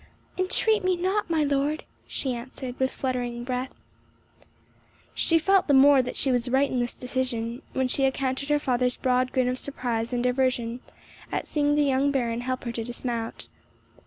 "Entreat me not, my lord," she answered, with fluttering breath. She felt the more that she was right in this decision, when she encountered her father's broad grin of surprise and diversion, at seeing the young Baron help her to dismount.